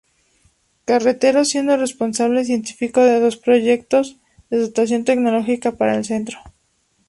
Carretero, siendo responsable científico de dos proyectos de dotación tecnológica para el Centro.